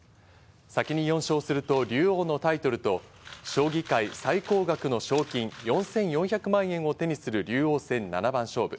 先に４勝すると竜王のタイトルと将棋界最高額の賞金４４００万円を手にする竜王戦七番勝負。